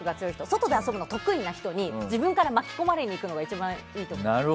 外で遊ぶのが得意な人に自分から巻き込まれにいくのが一番いいと思う。